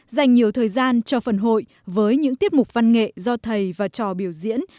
dành nhiều thời gian cho phần hội với những tiết mục văn nghệ do thầy và trò biểu diễn